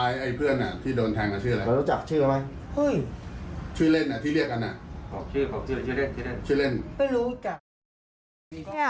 ชื่อเล่น